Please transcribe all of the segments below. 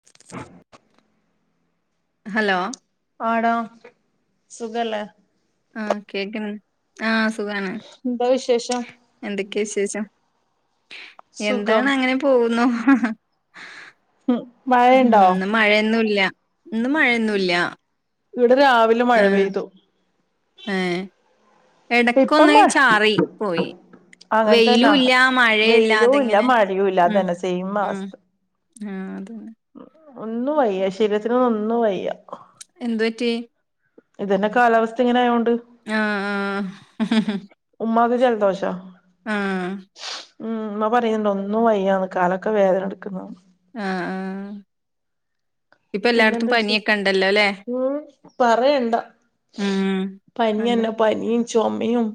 [unintelligible] Hello ആടം സുഖല്ലേ ആഹ കേക്ക ആഹ സുഖാണ് എന്താ വിശേഷം എന്തൊക്കെയാ വിശേഷം സുഖം എന്താണ് അങ്ങനെ പോകുന്നു ഉം മഴയുണ്ടോ ഉന്ന് മഴയൊന്നുമല്ല ഇന്ന് മഴയൊന്നുമല്ല അവിടെ രാവിലെ മഴ പെയ്തു ഇപ്പം എടക്കൊന്നായി മഴ ചാറി പോയി അങ്ങൻതന്നാ വെയിലും ഇല്ല മഴയില്ല വെയിലും ഇല്ല അതെങ്ങനെ മഴയും ഇല്ല ഉം അതന്നെ സെയിം ഉ ആഹ അതന്നെ ഒന്ന്ും വയ്യ ശരീരത്തിന ഒന്നും വയ്യ എന്ത് പറ്റി ഇതന്നെ കാലാവസ്ഥ ഇങ്ങനെയോണ്ട് ആ ആ ചന്തോഷോ ആഹ ഉം എന്ന പറയുന്നുണ്ട് ഒന്നും വയ്യാണ് കാലൊക്കെ വേദന എടുക്കുന്നതാണ് ആഹ ആ പിന്നെന്താ ഉ പറയണ്ടാ ഉം അതെ പനിയന്നെ പനിയും ചുമുമയും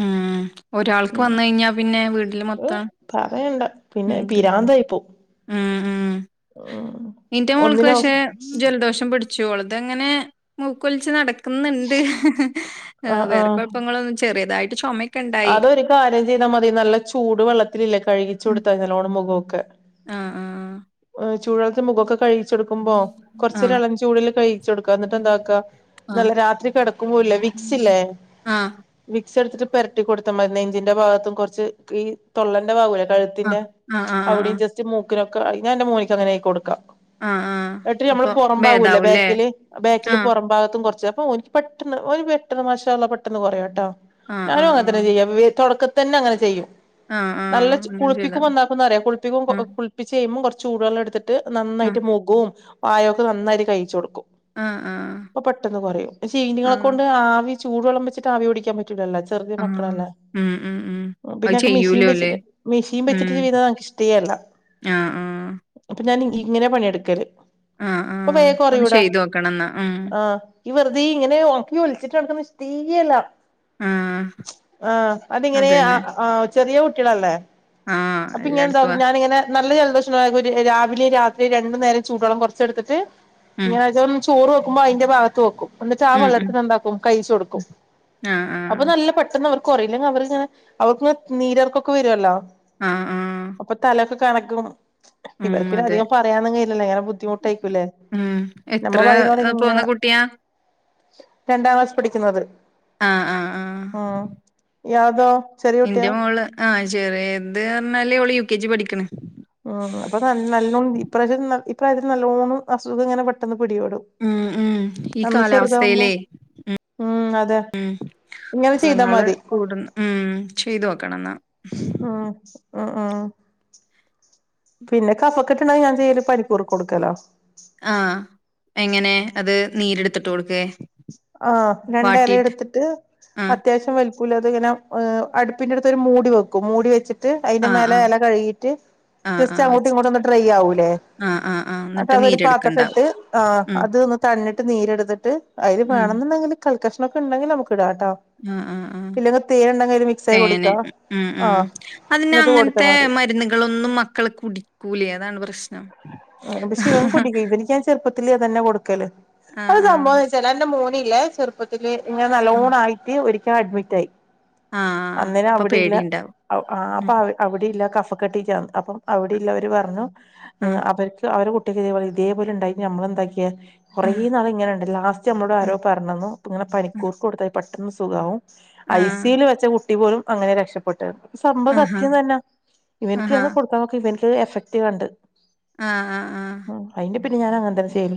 ഉം ഒരാൾക്ക് വന്ന കഴിഞ്ഞാ പിന്നെ വീട്ടില് ഉം മൊത്തം പറയണ്ട പിന്നെ ഉം ഇത് പിരാന്തുയ് പോകും ഉം ഉം നിന്റെ മോൾക്ക് ഒന്നിനോ പക്ഷെ ജലദോഷം പിടു കൊച്ചളത്ങ്ങനെ മൂക്കൊലിച്ച് നട ുന്നുണ്ട് ആഹ് വേറെ ആഹ് കുഴപ്പങ്ങളൊന്നും ചെറിയതായിട്ട് ചുമ അതൊരു കാര്യം ചെയ്താൽ മതി നല്ല ചൂട് വെള്ളത്തിലില്ലേ കഴുകി കൊടുത്താല്ലോണ് മുഖമൊക്കെ ആഹ ആഹ ആഹ ചൂെടുത്തിത്ത് മുഖമൊക്കെ കഴിച്ചെടുക്കുമ്പോ കൊറച്ചൊര ആഹ് ഇളം ചൂടുൽ കഴിച്ച കൊടുക്കുക എന്നിട്ട് എന്താക്കാ ആഹ് നല്ല രാത്രി കിടക്കുമ്പോ ഇല്ല വിക്സ് ഇല്ലേ വ കുറച്ചെടുത്തിട്ട് പരട്ടി കൊടുത്ത മതി നഞ്ചിന്റെ ഭാഗത്തും കുറച്ച് ഈ തൊള്ളൻന്റെ ഭാഗുലെ ആഹ് കഴുത്തിന്റെ ആഹ് ആഹ് അവിടെയും ആഹ് ജസ്റ്റ് മൂക്കിനൊക്കെ ഞാൻ എന്റെ മോനക്ക് അങ്ങനെ ആക്കി കൊടുക്കാ ആഹ് ആഹ് എന്നിട്ട് നമ്മള് അപ്പൊ പുറം ഭാകല്ലേ ഭേദാവൂല്ലേ ബാക്കില് ബാക്കില് ആഹ് പുറം ഭാഗത്തും കുറച്ച് അപ്പോൾ ഒനിക്ക് പെട്ടെന്ന് ഒരു പെട്ടെന്ന് മാഷാ അല്ലഹ് പെട്ടെന്ന് കുറേയോട്ടോ ആഹ് ആ ആ ചെയ്യ തുടക്ക തന്നെ അങ്ങനെ ചെയ്യും ആഹ് ആഹ് നല്ല അങ്ങനെ ചെയ്താ കുളിപ്പിക്കും മതി നന്നാക്കുന്ന അറിയ കുളിപ്പിക്കും ആഹ് കുളിപ്പി ചെയ്യുമ്പോം കുറച്ച് ചൂടുെള്ളാം എടുത്തിട്ട് നന്നായിട്ട് ആഹ് മുഖവും വായൊക്കെ നന്നായിട്ട് കഴിച്ച കൊടുക്കും ആഹ് ആഹ് അപ്പൊ പെട്ടെന്ന് കുറയും ആഹ് ശീനങ്ങളെക്കൊണ്ട് ആവി ചൂടു വള്ളം വച്ചിട്ട് ആവി പിടിക്കാൻ പറ്റൂലല്ലോ ചെറിയ ആഹ് മക്കളലെ ഉം ഉം ഉം അത് പിന്നെ എനിക്ക് മെഷീൻ ചെയ്യൂലോല്ലേ വെച്ചിട്ട് മെഷീൻ ഉം വെച്ചിട്ട് ചെയീ്താ ഇൻക്ക് ഇഷ്ടേ അല്ല ആഹ് ആഹ് അപ്പൊ ഞാൻ ഇങ്ങനെ പണിയെടുക്കല് ആഹ് അപ്പൊ ആഹ് വേഗം ഒന്ന് കുറയോടാ ചെയ്ത് നോക്കണം എന്നാ ഉം ആഹ ഈ വെറുതെ ഇങ്ങനെ ഓക്കി ഒലിച്ചിട്ട നടക്ക ഇഷ്ടീ അല്ല ആഹ ആഹ അതിങ്ങനെ ആ ചെറിയ കുട്ടികളല്ലേ ആഹ് അപ്പൊ ഇങ്ങനെ എല്ലായിടത്തും എന്തകും ആ ഞാനിങ്ങനെ നല്ല ജലദോഷ രാവിലെയും രാത്രി രണ്ടു നേരം ചൂടുെള്ളം കുറച്ചെടുത്തിട്ട് ഉം ഞന് അതോ ചോറ് വെക്കുമ്പോ അതിന്റെ ഭാഗത്ത് വെക്കും എന്നിട്ടാ ആ ഉം വെള്ളം ഉം എടുത്തിട്ട് എന്താക്കും കഴിച്ച കൊടുക്കും ആഹ് ആഹ് അപ്പൊ നല്ല പ കൊറയില്ലെങ്കിൽ അവരെ ഞാൻ അവർക്ക് നീരർക്കൊക്കെ വരുമല്ലോ ആഹ് ആഹ് അപ്പൊ തലക്കെ കണക്കും ഉം ഇവർക്കിടെ അതെ അധികം പറയാനൊന്ന കയില്ലല്ലേ ഇങ്ങനെ ബുദ്ധിമുട്ടായിക്കൂല്ലേ ഉം എത്ര പോന്ന കുട്ടിയാ രണ്ടാം ക്ലാസ് പഠിക്കുന്നത് ആഹ് ആഹ ആം ഇയാൾതോ ചെറിയ കുട്ടിയാ എന്റെ മോള് ആ ചെറിയ എത് പറഞ്ഞാല് അവള് യു കെ ജി പഠിക്കണ് ഉ അപ്പൊ നല്ലഇപ്രാവശ്യം ഇപ്രാവശ്യം നല്ലോണ് അസുഖം ഇങ്ങനെ പെട്ടെന്ന് പിടി പെടും ഉം ഉം ഈ അന്ന് ചെറുതാവുമ്പോ കാലാവസ്ഥയിലേ ഉം അതെ ഇങ്ങനെ ചെയ്താ അസുഖങ്ങൾ മതി കൂടും ഉ ചെയ്തു നോക്കണം ന്നാ ഉം ഉം ആ പിന്നെ കഫക്കെട്ട് ണ്ടായാൽ ഞാൻ ചെയ്യല് പനിക്കൂർ കൊടുക്കലാ ആ എങ്ങനെ അത് നീരെടുത്തിട്ട് കൊടുക്കേ ആഹ രണ്ട് ഇല വാട്ടിയിട്ട് എടുത്തിട്ട് ആഹ് അത്യാവശ്യം വല [unintelligible] ഇങ്ങനെ് അടുപ്പിന്റെറ അടുത്ത് ഒരു മൂടി വെക്കും മൂടി വെച്ചിട്ട് അതിന്റെ ആഹ് ആഹ് മേലെ ഇല കഴുകിട്ട് ആഹ് ജസ്റ്റ് ആഹ് അങ്ങോട്ട് ഇങ്ങോട്ട വെച്ചിട്ട് ഒന്ന് try ആവൂല്ലേ ah ah ah at എന്നിട്ട് അതൊരു പാത്രത്തി നീരെടുക്കണ്ടാവും. ഇട്ട് ആ് ഉം അത്ൊന്ന് തണിട്ട് നീരെടുത്ത് ട്ട് അതി ഉം വേണംുണ്ടെങ്കിൽ കൽകഷ്ണംൊക്കെ ഉണ്ടെങ്കിൽ നമുക്ക് ഇടാട്ടോ ആഹ ഉഹ ഉഹ ഇല്ലെങ്കിൽ തേനുണ്ടെങ്കിൽ അതില് മിക്സായി തനെ കുടിക്കാം ഉം ആ ഉം അതിെ എന്നിട്ട് കൊടുത്താ അങ്ങനത്തെ മതി മരുന്നുകളൊന്നും മക്കൾ കുടി കൂലി ഏതാണ് പ്രശ്നം പക്ഷെ ഇവൻ കുടിക്കും ഇവനക്ക് ഞാൻ ചെറുപ്പത്തി അ തന്നെ കൊടുക്കല് ആഹ് അത് ആഹ് സംഭവംന്ന് വെച്ചാ എ്റെ മൂ ല്ലേ ചെറുപ്പത്തില് ഞൻ ഉം നല്ലോണ്ണം ആയിട്ട് ഒരിക്കലൽ അഡ്മിറ്റ് ആയി ആഹ് അന്നേനെ അപ്പൊ അവിടെയില്ല പേടിണ്ടാവും ആപ്പ ഉം അവിടെയില്ല കഫ അപ്പ കെട്ടി അപ്പം അവിടെള്ളവർ പറഞ്ഞു ആഹ് അവരു കുട്ടിക്ക് ഇ ഇതേപലെ ഉണ്ടായി നമ്മളെന്താക്കിയാ കുറെേ ആഹ് നാൾ ഇങ്ങനുണ്ട് ലാസ്റ്റ് നമ്മളോട് ആരോ പറഞ്ഞു ഇങ്ങെ ആഹ് പിക്കൂർക്ക് കൊടുത്തൽ പെട്ടന്ന് സുഖാവവും ആഹ് ആഹ് ഐസിൽ വെച്ച കുട്ടി പോലും അങ്ങനെ രക്ഷപ്പെട്ടിണ്ട് സംഭവ ആഹാ സത്യം തന്നാ ആഹാ ഇവനക്ക്ന്ന് കൊടുത്താൻ നോക്ക ഇവനക്ക് എഫക്ട്ീവ കണ്ട് ആഹ ആഹ് ആഹ ഉം അയിന്റെ പിന്നെ ഞാൻ അങ്ങനെ തന്നെ ചെയ്യല്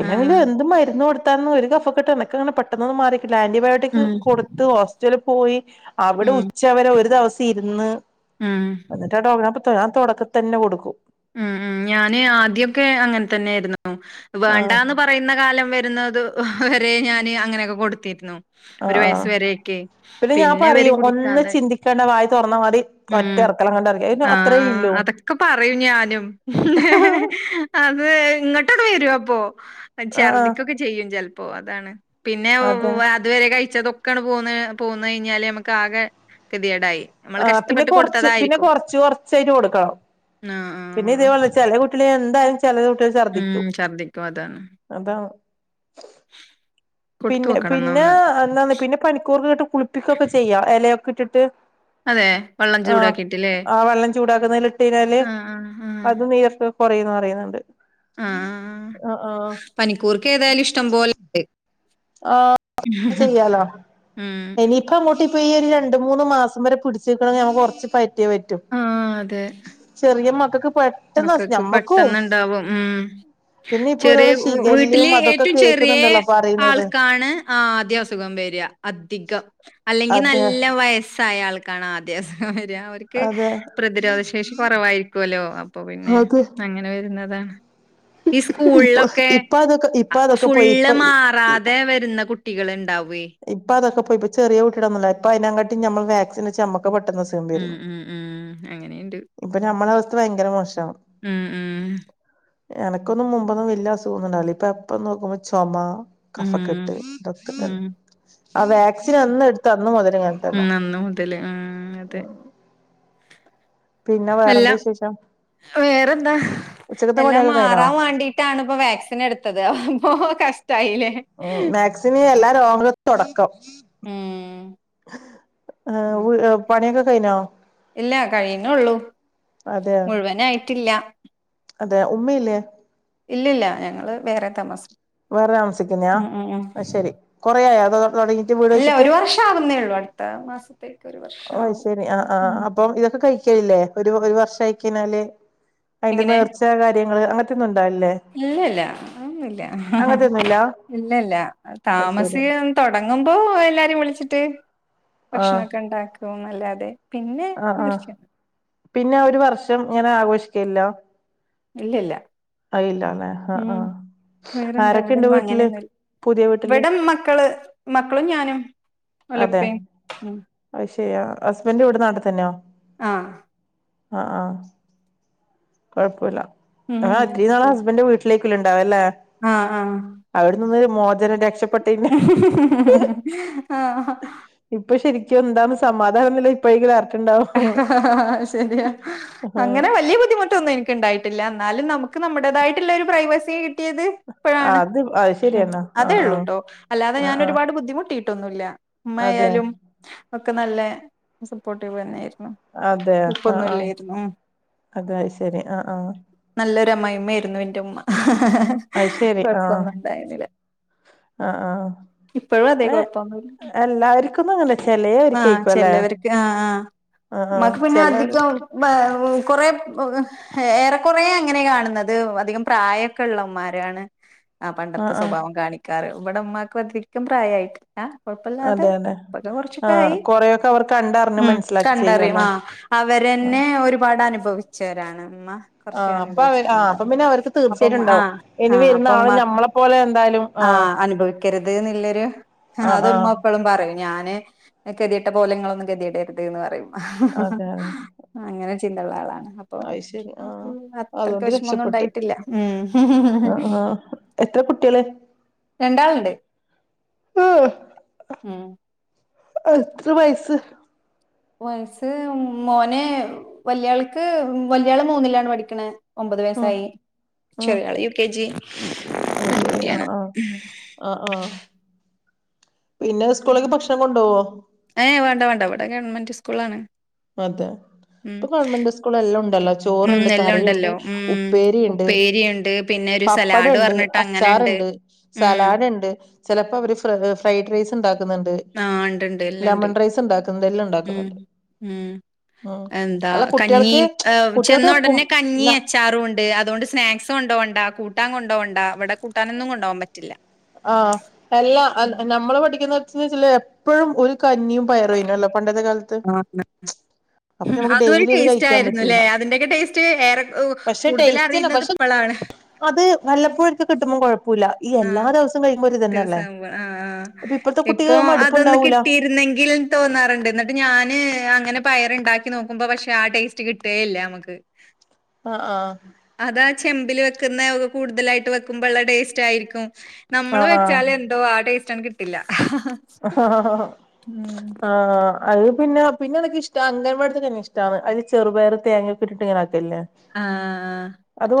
ഇല്ലെങ്കിലും ആഹ് എന്ത് മരുന്ന് കൊടുത്താലും ഒരു കഫക്കെട്ട് എനിക്കങ്ങനെ പെട്ടെന്ന് അങ്ങനെ മാറി ആന്റിബയോട്ടിക് ഉം കൊടുത്ത് ഹോസ്റ്റലിൽ പോയി അവിടെ ഉം ഉച്ചവരെ ഒരു ദിവസം ഇരുന്ന് ഉം എന്നിട്ട് [unintelligible] ഞാൻ തൊടക്ക തന്നെ കൊടുക്കും ഉം ഉം ഞാന് ആദ്യൊക്കെ അങ്ങനെ തന്നെയായിരുന്നു ആഹ് വേണ്ടാന്ന് പറയുന്ന കാലം വരെ ന്നത് വരെ ഞാന് അങ്ങനെയൊക്കെ കൊടുത്തിരുന്നു ആ ഒരു ആ വയസ്സ് വരെയൊക്കെ. പിന്നെ ഞാൻ ഇവര് പറയും ഒന്നും കുടിക്കാതെ ചിന്തിക്കേണ്ട വായി തുറന്ന മതി ഒറ്റ ഇറക്കലങ്ങ് ഇറക്കി അ അത്രയും ആ അതൊക്കെ പറയും ഞാനും അത് ഇങ്ങോട്ടോട് വരും അപ്പൊ ആഹ് ചർദിക്കൊക്കെ ചെയ്യും ചെൽപ്പോ അതാണ് പിന്നെ അതെ അതുവരെ കഴിച്ചതും ക്കണ് പോ പോന്ന് കഴിഞ്ഞാല് നമുക്ക് ആകെ ഗതികേടായി നമ്മള് ആ പിന്നെ കഷ്ടപ്പെട്ട് കൊറച്ച് പിന്നെ കൊടുത്തതായിരിക്കും. കൊറച്ച് കൊറച്ചായിട്ട് കൊടുക്കണം ആഹ് പിന്നെ ആഹ്. ഇതേപോലെ ചെല കുട്ടികൾ എന്തായാലും ചെല കുട്ടികൾ ഉം ചർദ്ദിക്കും ഛർദിക്കും അതാണ്. അതാണ് [unintelligible] കൊടുത്തു പിന്നെ നോക്കണം എന്നാ പിന്നെ ഒന്ന്. എന്താന്ന പിന്നെ പനിക്കൂർക്ക ഇട്ടിട്ട് കുളിപ്പിക്കൊക്കെ ചെയ്യാ ഇലയൊക്കെ ഇട്ടിട്ട് അതെ വെള്ളം ചൂടാക്കിട്ടില്ലേ ചൂടാക്കുന്നേല് ഇട്ട് കഴിഞ്ഞാല് അത് നീരർക്ക് കൊറയ്ന്ന് പറയുന്നുണ്ട് ആ ആഹ് ആഹ് പനിക്കൂർക്ക ഏതായാലും ഇഷ്ടം പോലെണ്ട് ആ ചെയ്യാലോ ഉം ഇനിപ്പ മൂട്ടി ഈ ഒരു രണ്ട് മൂന്ന് മാസം വരെ പിടിച്ചക്കണെങ്ക കുറച്ച് പറ്റും ചെറിയ മ മക്കക്ക് പെട്ടെന്നുണ്ടാവും ഉം പിന്നെ ഇപ്പൊ ചെറിയ ഓരോന്ന് വീട്ടില് ശിഖല്ലയും അതൊക്കെ ഏറ്റവും ചെറിയ കേൾക്കുന്നുണ്ടല്ലോ ആൾ പറയുന്നത് ക്കാണ് ആദ്യം ആസുഖം വര അധികം അല്ലെങ്കിൽ അതെ നല്ല വയസായ ആൾക്കാണ് ആദ്യം അസുഖം വര അവർക്ക് അതെ പ്രതിരോധ ശേഷി കുറവായിരിക്കൊലോ പിന്നെ അതെ അങ്ങനെ വരുന്നതാണ് ഈ ഇപ്പൊ സ്കൂളിലൊക്കെ ഇപ്പ അതൊക്കെ ഇപ്പ അതൊക്കെ പോയി ഫുള്ള് ഇപ്പ മാറാതെ വരുന്ന കുട്ടികൾ ഇണ്ടാവേ ഇപ്പൊ അതൊക്കെ പോയി ഇപ്പ ചെറിയ കുട്ടിടൊന്നല്ല ഇപ്പ അതിനെകാട്ടി ഞമ്മൾ വാക്സിൻ അടിച്ച നമ്മക്ക് പെട്ടെന്ന് അസുഖം ഉം വരുന്നു ഉം ഉം അങ്ങനെയുണ്ട്. ഇപ്പൊ ഞമ്മളെ അവസ്ഥ ഭയങ്കര മോശാണ് ഉം ഉം എനക്കൊന്നും മുമ്പൊന്നും വല്ല്യ അസുഖന്നുന്നുണ്ടാവില്ല ഇപ്പൊ എപ്പൊ നോക്കുമ്പോ ചൊമ ഉം കഫക്കെട്ട് ഇതൊക്കെ തന്നെ ഉം ആ വാക്സിൻ എന്ന് എടുത്തോ അന്ന് മുതൽ ഇങ്ങനത്തെന്ന ഉം അന്ന് മുതല് ഉം അതെ പിന്നെ വേറെ അല്ല എന്ത വിശേഷം വേറെന്താ ഉച്ചക്കത്തെ എല്ലാം പണിയൊക്കെ കഴിഞ്ഞോ മാറാൻ വാണ്ടിട്ടാണ് ഇപ്പൊ വാക്സിൻ എടുത്തത് അപ്പൊ കഷ് ഉം വാക്സിന് എല്ലാ രോഗങ്ങളും തൊടക്കം ഉം ആ പണിയൊക്കെ കൈനോ ഇല്ല കഴിയുനുള്ളൂ അതെയാ ട്ടില്ല അതെ ഉമ്മയില്ലേ ഇല്ലില്ല ഞങ്ങള് വേറെ താമസം വേറെ താമസിക്കുന്നയാ ഉം ശരി കൊറയായ അല്ല ഒരു വർഷം ആകുന്നേ ഉള്ളു അടുത്ത മാസത്തേക്ക് ഒരു ഓ വർഷാവും ശെരി ആ ആ ഉം അപ്പം ഇതൊക്കെ കഴിക്കലില്ലേ ഒരു ഒരു വർഷ ആയിക്കയ്ഞ്ഞാല് അതിന്റെ എങ്ങനെ നേർച്ച കാര്യങ്ങൾ അങ്ങനത്തെ ഒന്നും ഇല്ലല്ല അങ്ങനെ ഒന്നുല്ല അങ്ങനത്തെൊന്നുംല്ല ഇല്ല ഇല്ല അത് ശരി താമസി തൊടങ്ങുമ്പോ എല്ലാരേം വിളിച്ചിട്ട് ഭക്ഷണൊക്കെ ഉണ്ടാക്കും എന്നല്ലാതെ അ ആ പിന്നെ ഒരു വർഷം ഇങ്ങെനെ ആഘോഷിക്കല്ലോ ഇല്ലല്ല അയില്ലാല്ലെ ആ ആ ഉം വേറെന്താ ആരൊക്കെയുണ്ട് ഇവിടെന്നും വീട്ടില് അങ്ങനെന്ന പുതിയ വീട്ടില് ഇവിട മക്കള് മക്കളും ഞാനും ഒലപ്പേ ഉ ശ ഹസ്ബൻഡ് ഇവിടെ നാട്ടിതന്നെയോ ആ ആ ആ കൊഴപ്പുല്ല ആ ത്രരി നാള് ഉം ഹസ്ബൻഡ് വീട്ടിലിക്ക അല്ലേ ആഹ് അവിട്ന്ന് മോചനം രക്ഷപ്പെട്ടി നി ആഹ് ഇപ്പ ശരിക്കും എന്താണ് സമാധാനംന്ന്ല്ലേ ഇപ്പോഴ [unintelligible] ശരിയാ ആഹ് അങ്ങനെ വല്ല്യ ബുദ്ധിമുട്ടൊന്നും എനിക്ക് ണ്ടായിട്ടില്ല ന്നാലും നമുക്ക് നമ്മുേടെതായിട്ട്ള്ള ഒരു പ്രൈവസി ഇത് ഇപ്പഴാണ് അത് അത് ഉ ശരിയാണ് അതേ ആഹ് ആഹ് ള്ളൂട്ടോ അല്ലാതെ ആഹ് ആഹ് ഞാനോരുപാട് ബുദ്ധിമുട്ടി ട്ടൊന്നുല്ല അതെ മ്മയാലും ഒക്കെ നല്ല സപ്പോർട്ടീവ് തന്നെയ് ര് അതെ ആ ആ അതായ ശരി ആ ആ ന്റെ അമ്മായയമ്മായിരുന്നു എന്റെ [unintelligible] ഉമ്മ അത് ശരി ആഹ് കൊഴപ്പൊന്നും ഇണ്ടായിരുന്നില്ല ആഹ് ആ ഇപ്പഴും അതെ കൊയ്പ്പൊന്നുള്ള അങ്ങനെ ആഹ് ചെലയവർക്കായിരിക്കും അല്ലെ ചേലോർക് ആഹ് ആ ആഹ് ആഹ് ഇമ്മാക്ക് പിന്നെ ചെലവര് അധികം ബ് കൊറെ ഏറെകൊറേ അങ്ങനാ കാണുന്നത്. ത് അധികം പ്രായൊക്കെള്ളുമ്മാരാണ് അ പണ്ടത്തെ ആഹ് ആഹ് സ്വഭാവം കാണിക്കാറ്. ഇവിടുമ്മാക്കും അധികം പ്രായായിട്ടില്ല അ കൊഴപ്പില്ലാതെ അതെ അതെ ഇപ്പൊഴ് കൊറ്ച്ചൊക്കെ ആഹ് ആയി കൊറെയൊക്കെ അവർ കണ്ടറിഞ്ഞ് ഉം മനസ്സിലാക്കി ചെയ്യും കണ്ടറിം അല്ലെ ആ അവരെന്നെ ഒരുപാട് അനുഭവിച്ചവരാണ് ഇമ്മ കൊറ്ച് ആഹ് അപ്പൊ അവര് ആഹ് അനുഭവിച്ചിട്ട്ണ്ട് അപ്പൊ അപ്പം പിന്നെ അവർക്ക് അപ്പം തീർച്ചയായിട്ടും ആ ഉണ്ടാവും ആ ഇനി വരുന്ന അപ്പം ആള് ഉമാക്ക് ഞമ്മളെ പോലെ എന്തായാലും ആ ആഹ് അനുഭവി ക്കെരുത് ന്ന്ല്ലൊരു ആഹ് അത് മ്മ ആഹ് എപ്പളും പറയും ഞാന് കെതിഗെട്ട പോലങ്ങളൊന്നും ഗതിഗെടരുത് ന്തേയ്ന്ന് പറയും അതെ അതെ അങ്ങനെ ചിന്തള്ള ആളാണ് അപ്പൊ അത് ശരി ആഹ് അത്രക്ക് അതുകൊണ്ട് വെഷ്മൊന്നും രക്ഷപ്പെട്ട് ഉണ്ടായിട്ടില്ല ത്ര കുട്ട്യാള് രണ്ടാൾണ്ട് ആഹ് ഉം എത്ര വയസ്സ് വയസ്സ് മോന് വല്യാൾക്ക് വല്യാള് മൂന്നിലാണ് പഠിക്ക്ണ് ഒമ്പത് ഉം വയസ്സായി ചെറിയാള് യു കെ ജി അഹ് ശരി ആ പെൺകുട്ടിയാണ് ആഹ് ആ ആഹ് പിന്നെ സ്കൂള്ല് ഭക്ഷണം കൊണ്ടൊവോ ല്ല ഇവടെ ഗവൺമെന്റ് സ്കൂളാണ് അതോ ഉം പ്പ ഗവൺമെന്റ് സ്കൂള്ള് എല്ലം ണ്ടല്ലോ ഉം ചോറുണ്ട് എല്ലാം കറിണ്ട് ഉണ്ടല്ലോ ഉം ഉപ്പേരിണ്ട് ഉപ്പേരിയുണ്ട് പിന്നെ ഒരു സലാഡ് പപ്പടണ്ട് പറഞ്ഞിട്ട് അങ്ങനെണ്ട് അച്ചാറ്ണ്ട് ഉം സലാഡ്ണ്ട് ചെലപ്പവര് ഫ് ഫ്രൈഡ് റൈസ്ണ്ടാ ക്ക്ന്ന്ണ്ട് ആഹ് ഇണ്ട്ണ്ട് എല്ലാം ഇണ്ട് ലെമൺ റൈസ്ണ്ടാക്കും ഉം എല്ലംണ്ടാക്ക്ന്ന്ണ്ട് ഉം എന്താ കഞ്ഞീം ഹേ കുട്ടികൾക്ക് ചെന്ന ഇപ്പം ഉടനെ കഞ്ഞി ന അച്ചാറുംണ്ട് അതോണ്ട് സ്നാക്സുണ്ടോണ്ട കൂ ട്ടാൻ കൊണ്ടോണ്ട ഇവടെ കൂട്ടാനൊന്നും കൊണ്ടാവാൻ പറ്റില്ല ആഹ് എല്ലാ അ നമ്മള് പഠിക്കുന്നോട്ത് ചില എപ്പഴും ഒരു കഞ്ഞിയും പയറുയ്നല്ലോ പണ്ടത്തെ കാലത്ത് അപ്പൊ ഹും നമുക്ക് അതൊരു ഡെയിലി ഇത് ടേസ്റ്റ് കഴിക്കാൻ ആയിരുന്നുല്ലേ പറ്റൂല അതിന്റെക്കെ ടേസ്റ്റ് ഏറെ കൂ പക്ഷെ കൂടുതല ടേസ്റ്റ്ന്നെ റിയുന്നത് പക്ഷെ ഇപ്പളാണ് അത് വല്ലപ്പോഴൊക്കെ കിട്ടുമ്പോ കൊഴപ്പുല്ല ഈ എല്ലാ ദിവസവും കഴി ദിവസം ആവുമ്പോ ആഹ് ആഹ് ഇപ്പൊ കുട്ടികൾക്ക് അതൊന്ന് മടുപ്പുണ്ടാവൂല കിട്ടിയിരുന്നെങ്കിൽ തോന്നാറുണ്ട് എന്നിട്ട് ഞാന് അങ്ങനെ പയറ്ണ്ടാക്കി നോക്കുമ്പോ പക്ഷേ ആ ടേസ്റ്റ് കിട്ടേയില്ല നമ്മക്ക് ആഹ് ആഹ് അതാ ചെമ്പില് വെക്ക്ന്നെ ഒഹ് കൂടുതലായിട്ട് വെക്കുമ്പെള്ള ടേസ്റ്റായിരിക്കും. നമ്മള് ആഹ് ആഹ് വെച്ചാലെന്തോ ആ ടേസ്റ്റണ്ട് കിട്ടില്ല. ഉം ആഹ് അത് പിന്നെ പിന്നെനിക്കിഷ്ട്ടാ അംഗൻവാടിത്തെ കഞ്ഞി ഷ്ട്ടാണ് അയ്‌ല് ചെറുപയറ് തേങ്ങൊക്കെട്ട് ട്ട്ങ്ങനെ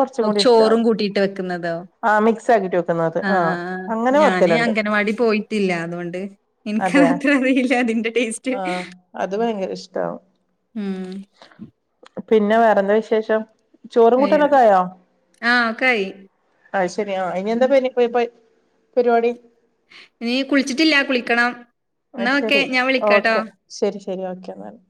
കുറച്ചും കൂടി ചോറും ഇഷ്ടാണ് കൂട്ടിട്ട് വെക്കുന്നതോ? ആഹ് മിക്സ് ആക്കിട്ട് വെക്കുന്നത് ആഹ് ആഹ് ആഹ് അങ്ങനെ ഞാന് വെക്കലുണ്ട് അങ്കനവാടി പോയിട്ടില്ല അതോണ്ട് അതെ ഇൻക്കതത്രറീല്ല അതിന്റെ ടേസ്റ്റ് ആഹ് അത് ഭയങ്കര ഇഷ്ടാവും ഉം പിന്നെ വേറെന്ത വിശേഷം? ചോറും വേറെ കൂട്ടനൊക്കായോ ആഹ് ഒക്കായി അയ് ശെരി ആഹ് ഉം ഇനിയെന്താപ്പയ്ന് [unintelligible] പരിവാടി ഇനി കുൾച്ചിട്ടില്ല കുളിക്കണം. അയ് എന്നാ ഓക്കെ ശെരി ഞാൻ വിളിക്കാട്ടോ ഓക്കെ ശെരി ശെരി ഓക്കെ ന്നാല്